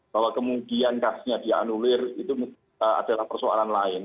bahwa kemudian kasusnya dianulir itu adalah persoalan lain